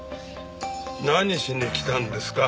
何しに来たんですか？